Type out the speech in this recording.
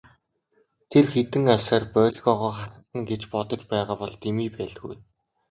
Тэр хэдэн арьсаар боольхойгоо халхална гэж бодож байгаа бол дэмий байлгүй.